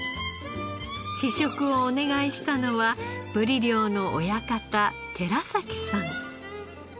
試食をお願いしたのはブリ漁の親方寺崎さん。